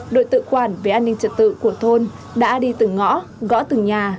đội tự quản về an ninh trật tự của thôn đã đi từng ngõ gõ từng nhà